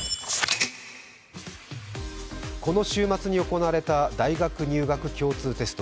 この週末に行われた大学入学共通テスト。